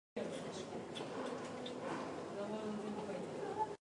Ndu wiʼi ndu seekan bana ceekoowo.